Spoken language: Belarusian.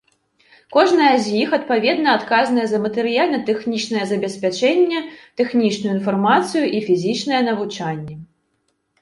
Кожная з іх адпаведна адказная за матэрыяльна-тэхнічнае забеспячэнне, тэхнічную інфармацыю і фізічнае навучанне.